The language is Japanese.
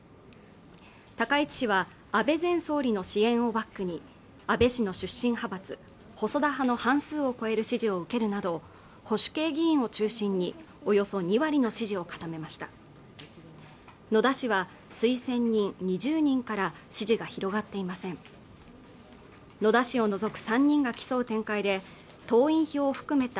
高市氏は安倍前総理の支援をバックに安倍氏の出身派閥細田派の半数を超える支持を受けるなど保守系議員を中心におよそ２割の支持を固めました野田氏は推薦人２０人から支持が広がっていません野田氏を除く３人が競う展開で党員票を含めた